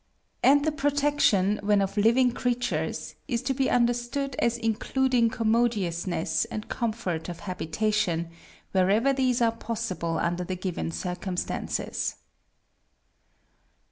And the protection, when of living creatures, is to be understood as including commodiousness and comfort of habitation, wherever these are possible under the given circumstances.